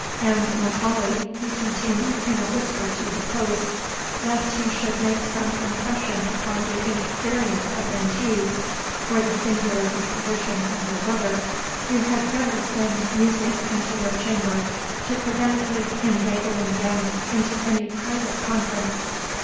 And, M'Aulay," he continued in a whisper to his host, "lest he should make some impression upon the inexperience of Menteith, or the singular disposition of your brother, you had better send music into their chamber, to prevent his inveigling them into any private conference."